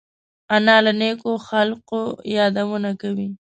انا له نیکو خلقو یادونه کوي